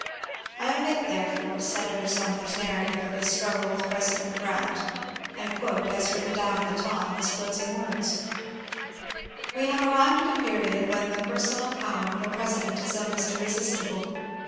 I omit, therefore, Senator Sunmer's narrative of his struggle with President Grant and quote, as written down at the time, his closing words :—We have arrived at a period when the personal power of a president is almost irresistible.